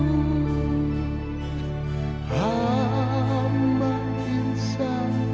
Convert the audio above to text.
ya allah yang kuanggu